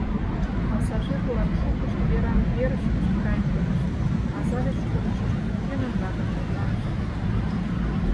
Пассажир-влак шукышт веран верышкышт каен пытышт, а залеш кодшышт йӧнанракын верланышт.